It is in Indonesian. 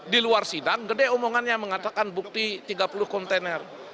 di luar sidang gede omongannya mengatakan bukti tiga puluh kontainer